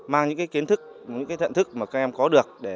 mang những kiến thức những thận thức mà các em có được